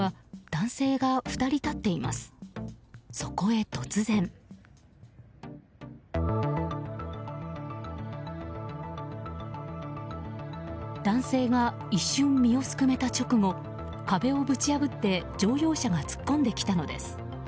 男性が一瞬身をすくめた直後壁をぶち破って乗用車が突っ込んできたのです。